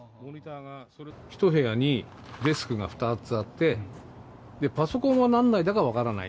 １部屋にデスクが２つあって、パソコンは何台だか分からない。